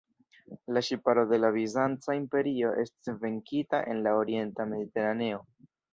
La ŝiparo de la Bizanca Imperio estis venkita en la orienta Mediteraneo.